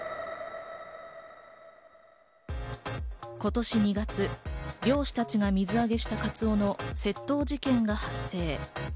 今年２月、漁師たちが水揚げしたカツオの窃盗事件が発生。